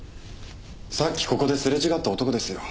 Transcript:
さっきここですれ違った男ですよ。